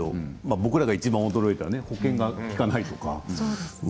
僕らがいちばん驚いた保険が利かないとかね。